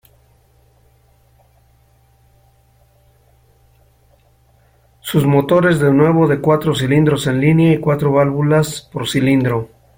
Sus motores de nuevo de cuatro cilindros en línea y cuatro válvulas por cilindro.